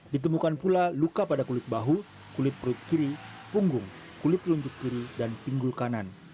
ditemukan pula luka pada kulit bahu kulit perut kiri punggung kulit luntut kiri dan pinggul kanan